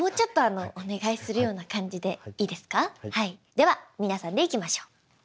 では皆さんでいきましょう。